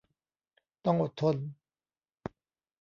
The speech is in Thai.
ต้องอดทน